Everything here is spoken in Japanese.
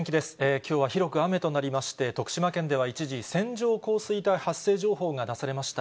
きょうは広く雨となりまして、徳島県では一時、線状降水帯発生情報が出されました。